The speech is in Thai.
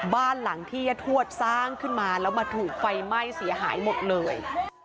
บ้านหลังที่ยะทวดสร้างขึ้นมาแล้วมาถูกไฟไหม้เสียหายหมดเลย